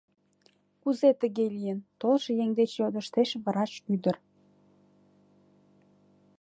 — Кузе тыге лийын? — толшо еҥ деч йодыштеш врач ӱдыр.